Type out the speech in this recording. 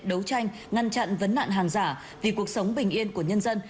đấu tranh ngăn chặn vấn nạn hàng giả vì cuộc sống bình yên của nhân dân